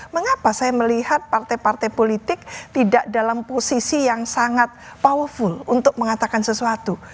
mengapa saya melihat partai partai politik tidak dalam posisi yang sangat powerful untuk mengatakan sesuatu